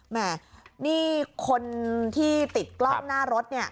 แม่นี่คนที่ติดกล้องหน้ารถเนี่ย